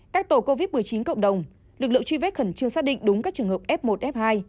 các tổ covid một mươi chín cộng đồng lực lượng truy vết khẩn trương xác định đúng các trường hợp f một f hai